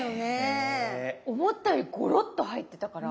思ったよりゴロッと入ってたから。